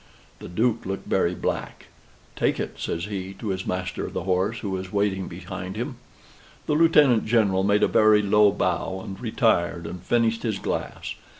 The Duke looked very black. "Take it," says he, to his Master of the Horse, who was waiting behind him. The Lieutenant General made a very low bow, and retired and finished his glass.